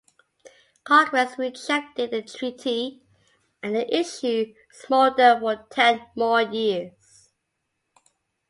Congress rejected the treaty, and the issue smoldered for ten more years.